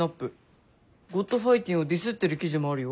「ｇｏｄファイティン」をディスってる記事もあるよ。